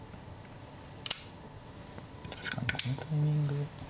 確かにこのタイミング。